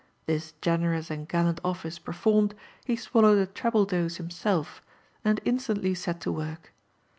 This generous and gal lant office performed, he swallowed a treble dose himself, and instantly set to work.